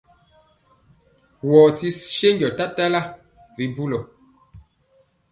Wɔɔ ti senjɔ tatala ri bulɔ.